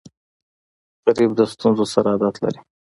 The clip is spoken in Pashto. غریب د ستونزو سره عادت لري